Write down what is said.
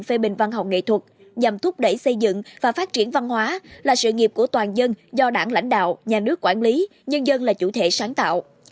phê bình văn học nghệ thuật nhằm thúc đẩy xây dựng và phát triển văn hóa là sự nghiệp của toàn dân do đảng lãnh đạo nhà nước quản lý nhân dân là chủ thể sáng tạo